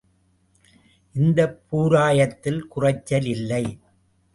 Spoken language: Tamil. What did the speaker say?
இந்தப் பூராயத்தில் குறைச்சல் இல்லை.